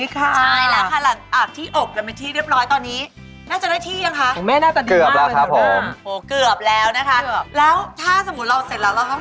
คับเค้กข้าวพอดเอ๊ะ